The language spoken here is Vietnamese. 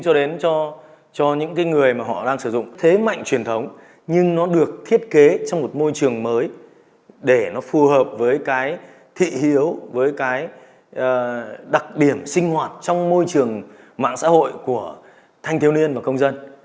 cho đến cho những cái người mà họ đang sử dụng thế mạnh truyền thống nhưng nó được thiết kế trong một môi trường mới để nó phù hợp với cái thị hiếu với cái đặc điểm sinh hoạt trong môi trường mạng xã hội của thanh thiếu niên và công dân